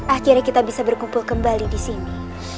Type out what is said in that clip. akhirnya kita bisa berkumpul kembali di sini